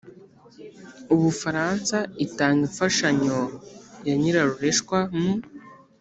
ubufaransa, itanga imfashanyo ya nyirarureshwa mu